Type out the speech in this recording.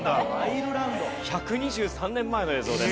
１２３年前の映像です。